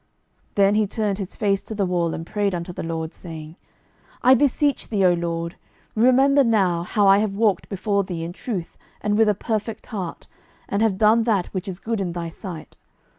12:020:002 Then he turned his face to the wall, and prayed unto the LORD, saying, 12:020:003 I beseech thee, O LORD, remember now how I have walked before thee in truth and with a perfect heart, and have done that which is good in thy sight.